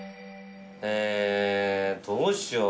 えどうしよう。